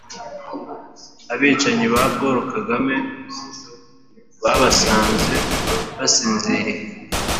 abicanyi ba paul kagame babasanze basinziriye.